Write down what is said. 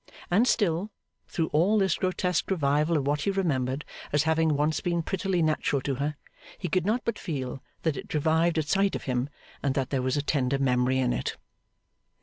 And still, through all this grotesque revival of what he remembered as having once been prettily natural to her, he could not but feel that it revived at sight of him, and that there was a tender memory in it.